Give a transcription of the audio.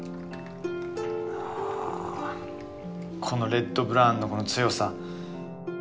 このレッドブラウンのこの強さ！